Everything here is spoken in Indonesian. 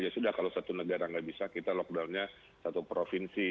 ya sudah kalau satu negara nggak bisa kita lockdownnya satu provinsi